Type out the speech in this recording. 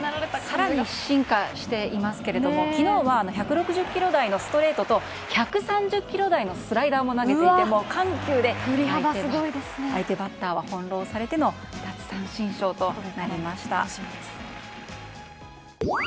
更に進化していますけど昨日は１６０キロ台のストレートと、１３０キロ台のスライダーも投げていて緩急で相手バッターは翻弄されての奪三振ショーとなりました。